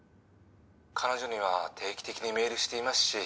「彼女には定期的にメールしていますし」